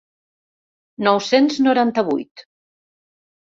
Nou-cents noranta-vuit.